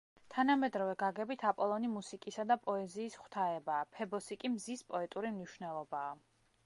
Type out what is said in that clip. თანამედროვე გაგებით აპოლონი მუსიკისა და პოეზიის ღვთაებაა, ფებოსი კი მზის პოეტური მნიშვნელობაა.